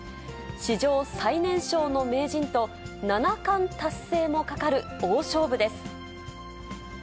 史上最年少の名人と七冠達成もかかる大勝負です。